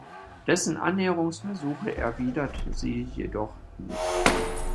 Dessen Annäherungsversuche erwidert sie jedoch nicht.